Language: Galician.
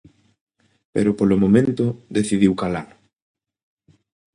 Pero polo momento, decidiu calar.